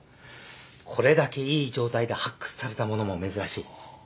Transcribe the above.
これだけいい状態で発掘されたものも珍しい。